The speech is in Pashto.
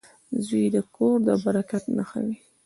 • زوی د کور د برکت نښه وي.